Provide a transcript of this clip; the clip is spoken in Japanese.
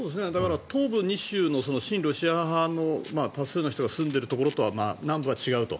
東部２州の親ロシア派の多数の人が住んでいるところと南部は違うと。